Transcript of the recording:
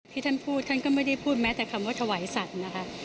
ท่านพูดท่านก็ไม่ได้พูดแม้แต่คำว่าถวายสัตว์นะคะ